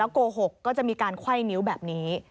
แล้วก้โกหกก็จะมีการไขว่นิ้วแบบนี้